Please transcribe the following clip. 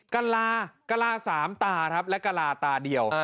กะลา๓ตาครับและกะลาตาเดียว